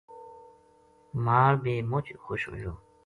مال بے مُچ خوش ہویو